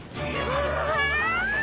うわ！